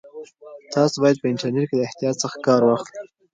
تاسو باید په انټرنیټ کې له احتیاط څخه کار واخلئ.